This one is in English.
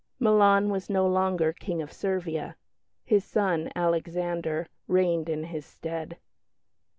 Milan was no longer King of Servia; his son, Alexander, reigned in his stead.